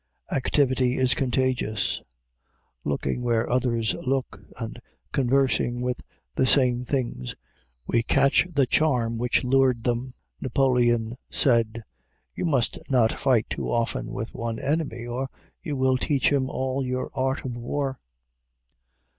Activity is contagious. Looking where others look, and conversing with the same things, we catch the charm which lured them. Napoleon said, "You must not fight too often with one enemy, or you will teach him all your art of war."